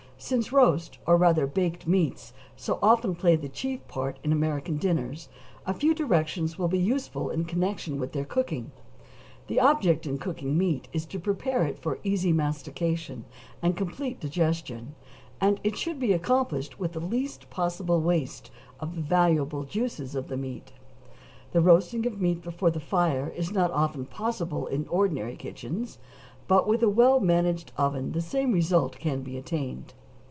Since roast or rather baked meats so often play the chief part in American dinners, a few directions will be useful in connection with their cooking. The object in cooking meat is to prepare it for easy mastication and complete digestion; and it should be accomplished with the least possible waste of the valuable juices of the meat. The roasting of meat before the fire is not often possible in ordinary kitchens, but with a well managed oven the same result can be attained.